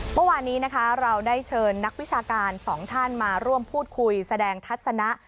เมื่อวานนี้นะคะเราได้เชิญนักวิชาการสองท่านมาร่วมพูดคุยแสดงทัศนะ